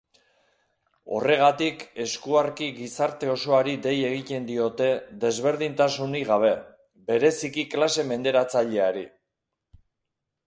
Horregatik eskuarki gizarte osoari dei egiten diote desberdintasunik gabe, bereziki klase menderatzaileari.